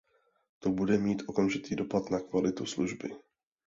To bude mít okamžitý dopad na kvalitu služby.